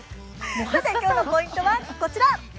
今朝のポイントはこちら。